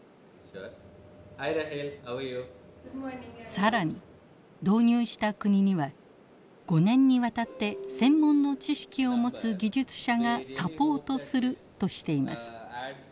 更に導入した国には５年にわたって専門の知識を持つ技術者がサポートするとしています。